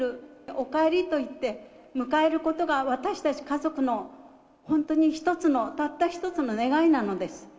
おかえりと言って迎えることが、私たち家族の、本当に１つの、たった１つの願いなのです。